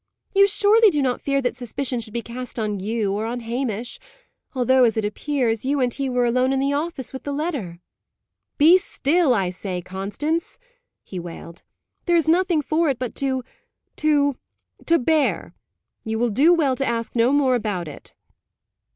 "You surely do not fear that suspicion should be cast on you, or on Hamish although, as it appears, you and he were alone in the office with the letter?" "Be still, I say, Constance," he wailed. "There is nothing for it but to to to bear. You will do well to ask no more about it."